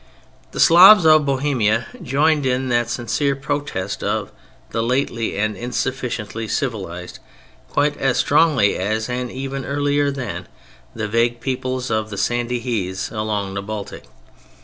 The Slavs of Bohemia joined in that sincere protest of the lately and insufficiently civilized, quite as strongly as, and even earlier than, the vague peoples of the Sandy Heaths along the Baltic.